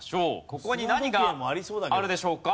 ここに何があるでしょうか？